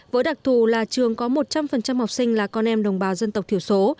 với đặc thù là trường có một trăm linh học sinh là con em đồng bào dân tộc thiểu số